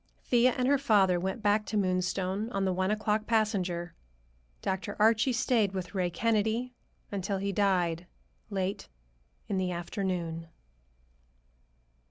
Thea and her father went back to Moonstone on the one o'clock passenger. Dr. Archie stayed with Ray Kennedy until he died, late in the afternoon.